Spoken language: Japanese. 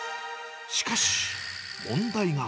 しかし、問題が。